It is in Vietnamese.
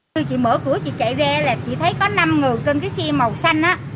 khi chị mở cửa chị chạy ra là chị thấy có năm người trên cái xe màu xanh